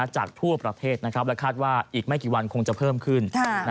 จากทั่วประเทศและคาดว่าอีกไม่กี่วันคงจะเพิ่มขึ้น